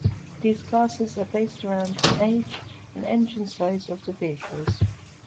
These classes are based around age and engine size of the vehicles.